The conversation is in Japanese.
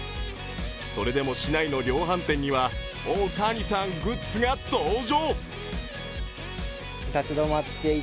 それでも、市内の量販店には大谷さんグッズが登場。